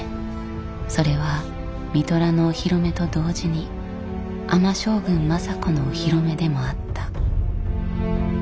それは三寅のお披露目と同時に尼将軍政子のお披露目でもあった。